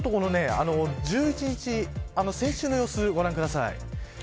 １１日先週の様子をご覧ください。